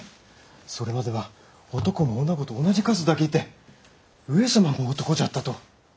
それまでは男も女と同じ数だけいて上様も男じゃったと！